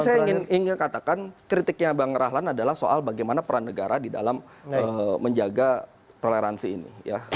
saya ingin katakan kritiknya bang rahlan adalah soal bagaimana peran negara di dalam menjaga toleransi ini